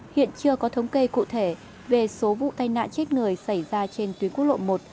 hiện chưa có thống kê cụ thể về số vụ tai nạn chết người xảy ra trên tuyến quốc lộ một